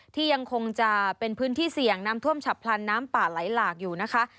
ยังคงจะเป็นพื้นที่เสี่ยงน้ำท่วมฉับพลันน้ำป่าไหลหลากอยู่นะคะ